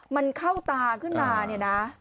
มันเข้าตาขึ้นมาเนี่ยนะ